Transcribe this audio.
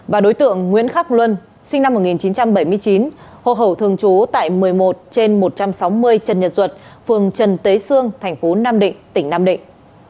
và đối tượng nguyễn khắc luân sinh năm một nghìn chín trăm bảy mươi chín hộ khẩu thường trú tại một mươi một trên một trăm sáu mươi trần nhật duật phường trần tế sương thành phố nam định tỉnh nam định